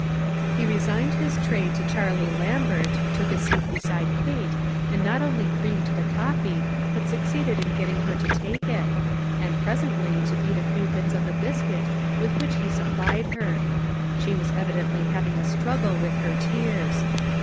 He resigned his tray to Charlie Lam bert, took a seat beside Kate, and not only creamed the coffee, but succeeded in get ting her to take it, and, presently, to eat a few bits of the biscuit with which he sup plied her. She was evidently having a struggle with her tears.